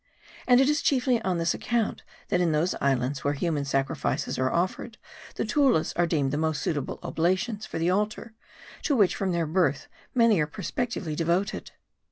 And it is chiefly on this account, that in those islands where human sacrifices are offered, the Tullas are deemed the most suitable oblations for the altar, to which from their birth many are prospectively devoted.